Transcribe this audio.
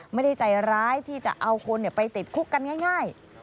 ไม่ได้ใจร้ายที่จะเอาคนไปติดคุกกันง่าย